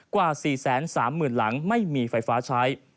กว่า๔๓๐๐๐หลังไม่มีไฟฟ้าใช้